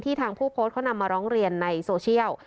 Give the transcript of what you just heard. ทางผู้โพสต์เขานำมาร้องเรียนในโซเชียล